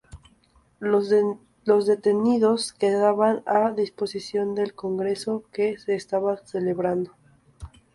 Los detenidos quedaban a disposición del congreso que se estaba celebrando.